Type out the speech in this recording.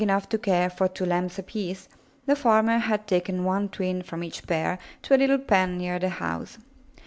MY BOOK HOUSE enough to care for two Lambs apiece, the farmer had taken one twin from each pair to a Httle pen near the house.